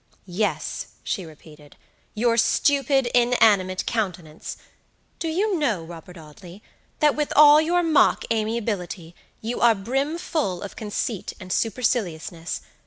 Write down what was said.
"Yes," she repeated, "your stupid, inanimate countenance. Do you know, Robert Audley, that with all your mock amiability, you are brimful of conceit and superciliousness.